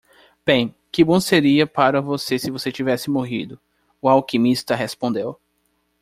"Bem? que bom seria para você se você tivesse morrido " o alquimista respondeu.